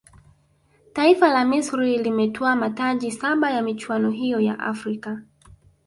taifa la misri limetwaa mataji saba ya michuano hiyo ya afrika